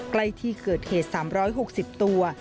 ใกล้ที่เกิดเหตุ๓๖๐ตัว